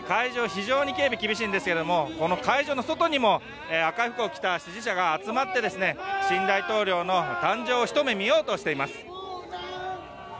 非常に警備が厳しいんですがこの会場の外にも赤い服を着た支持者が集まって新大統領の誕生をひと目見ようとしています。